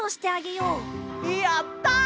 やった！